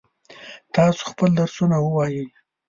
تاسو خپل درسونه ووایئ.